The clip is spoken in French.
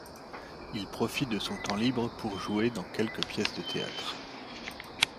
Il profite de son temps libre pour jouer dans quelques pièces de théâtre.